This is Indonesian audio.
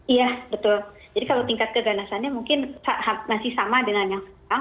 iya betul jadi kalau tingkat keganasannya mungkin masih sama dengan yang sekarang